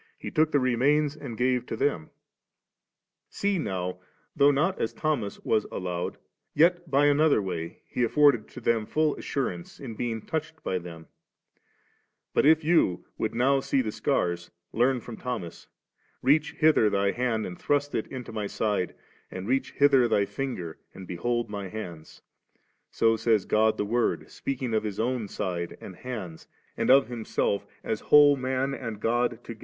He took the remains and gave to them ^J See now, though not as Thomas was allowed, yet by another way. He afforded to them full assurance, in being touched by them ; but if you would now see the scars, learn from Thomas. * Reach hither thy hand and thrust it into My side, and reach hither thy finger and behold My hands 7;' so says God the Word, speaking of His own' side and hands, and of Himsdf as whole man and God to 4j«luiz.ao;:dT.9. • lb.